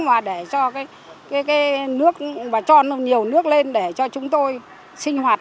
mà để cho cái nước và cho nó nhiều nước lên để cho chúng tôi sinh hoạt